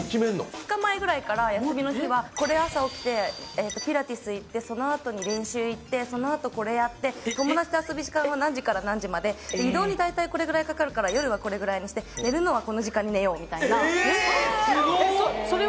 ２日前ぐらいから休みの日はこれ朝起きてピラティス行ってそのあとに練習行ってそのあとこれやって友達と遊ぶ時間は何時から何時まで移動に大体これぐらいかかるから夜はこれぐらいにして寝るのはこの時間に寝ようみたいなえすごっ